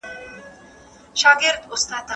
د ټولنیزې تیروتني د معلومولو لپاره مرستې ته اړتیا سته.